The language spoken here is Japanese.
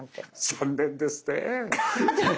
残念ですね。